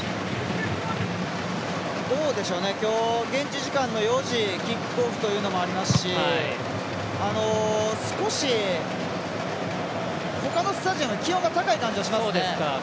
どうでしょう今日、現地時間の４時キックオフというのもありますし少し、ほかのスタジアムより気温が高い感じがしますね。